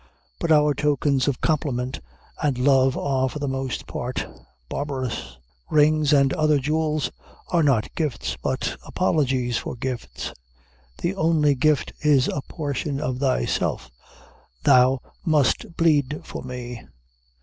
But our tokens of compliment and love are for the most part barbarous. Rings and other jewels are not gifts, but apologies for gifts. The only gift is a portion of thyself. Thou must bleed for me.